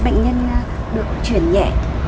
bệnh nhân được chuyển nhẹ